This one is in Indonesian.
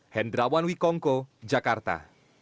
hendrawan wikongo jakarta